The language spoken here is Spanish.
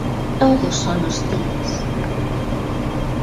Todos son hostiles.